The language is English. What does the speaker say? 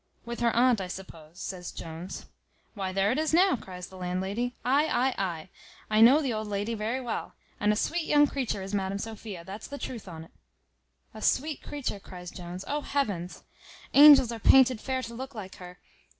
"With her aunt, I suppose," says Jones. "Why, there it is now," cries the landlady. "Ay, ay, ay, I know the old lady very well. And a sweet young creature is Madam Sophia, that's the truth on't." "A sweet creature," cries Jones; "O heavens!" Angels are painted fair to look like her.